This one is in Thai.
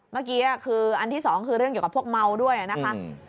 เมื่อกี้คืออันที่สองคือเรื่องเกี่ยวกับพวกเมาด้วยนะคะ